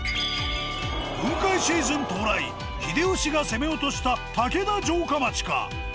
雲海シーズン到来秀吉が攻め落とした竹田城下町か？